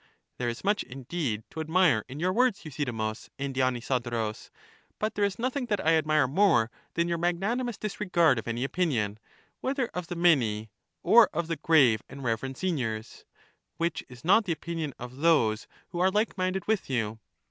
There is much, indeed, to admire in your words, Euthydemus and Dionysodorus, but there is nothing that I admire more than your magnanimous disregard of any opinion — whether of the many, or of the grave and reverend seigniors — which is not the opinion of those who are like minded with you.